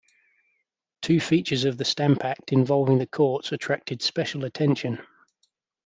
Two features of the Stamp Act involving the courts attracted special attention.